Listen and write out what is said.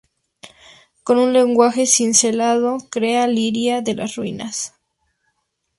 Con un lenguaje cincelado, crea lírica de las ruinas.